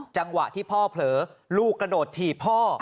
จังหวะที่พ่อเผลอลูกกระโดดถีบพ่อ